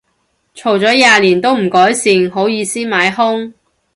嘈咗廿年都唔改善，好意思買兇